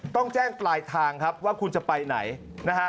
ต้องแจ้งปลายทางครับว่าคุณจะไปไหนนะฮะ